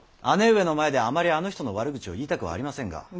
姉上の前であまりあの人の悪口を言いたくありませんが。